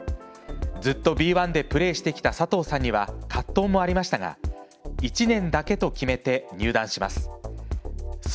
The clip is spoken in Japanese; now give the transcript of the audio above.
ずっとＢ１でプレーしてきた佐藤さんには葛藤もありましたが１年だけと決めて入団します。